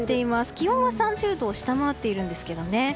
気温は３０度を下回ってるんですけどね。